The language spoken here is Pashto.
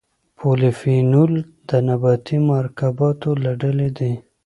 پولیفینول د نباتي مرکباتو له ډلې دي.